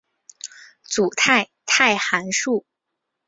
组态态函数。